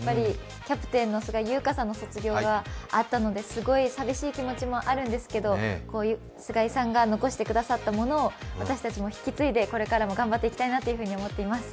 キャプテンの菅井友香さんの卒業があってすごい寂しい気持ちもあるんですけど、菅井さんが残してくださったものを私たちも引き継いでこれからも頑張っていきたいなと思います。